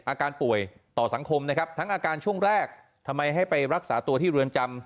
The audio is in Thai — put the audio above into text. อาการป่วยต่อสังคมนะครับทั้งอาการช่วงแรกทำไมให้ไปรักษาตัวที่เรือนจำ